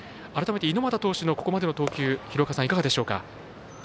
改めて、猪俣投手のここまでの投球いかがでしょうか。